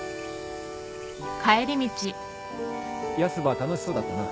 ヤスば楽しそうだったな。